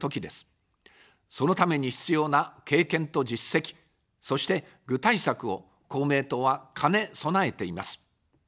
そのために必要な経験と実績、そして具体策を公明党は兼ね備えています。